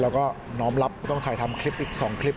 แล้วก็น้อมรับก็ต้องถ่ายทำคลิปอีก๒คลิป